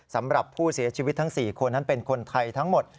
สำหรับผู้เสียชีวิตทั้ง๔คนนั้นเป็นคนไทยทั้งหมด